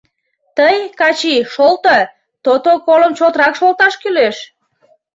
Тый, Качи, шолто; тото колым чотрак шолташ кӱлеш.